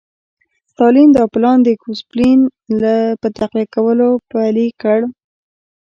ستالین دا پلان د ګوسپلن په تقویه کولو پلی کړ